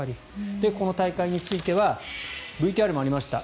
この大会についてはＶＴＲにもありました